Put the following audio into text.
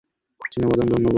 চিনাবাদাম, ধন্যবাদ।